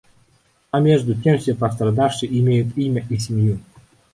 А между тем все пострадавшие имеют имя и семью.